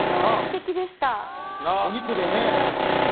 お肉でね。